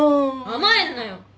甘えんなよ！